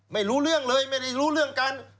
ไม่รู้เรื่องเลยไม่ได้รู้เรื่องกัน